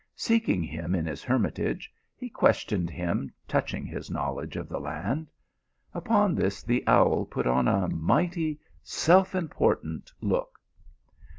Seeking him in his hermitage, he questioned him touching his knowledge of the land. Upon this the owl put on a mighty self important look.